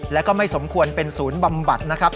และก็ไม่สมควรเป็นศูนย์บำบัดนะครับ